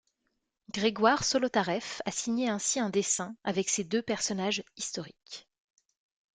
Grégoire Solotareff a signé ainsi un dessin avec ces deux personnages historiques.